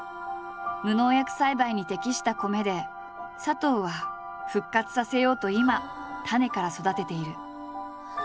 無農薬栽培に適した米で佐藤は復活させようと今種から育てている。